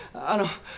あの。